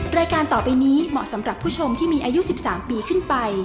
รายการต่อไปนี้เหมาะสำหรับผู้ชมที่มีอายุ๑๓ปีขึ้นไป